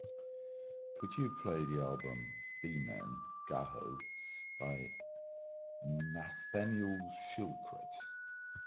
Could you play the album B Men Gahō by Nathaniel Shilkret